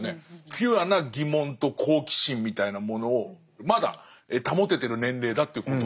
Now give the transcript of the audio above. ピュアな疑問と好奇心みたいなものをまだ保ててる年齢だということなんですかね。